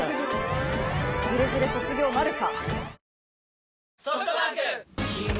ズレズレ卒業なるか？